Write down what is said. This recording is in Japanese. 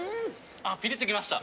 あピリッときました。